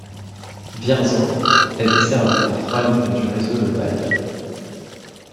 Vierzon est desservie par trois lignes du réseau Le Vib.